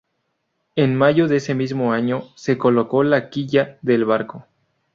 En mayo de ese mismo año se colocó la quilla del barco.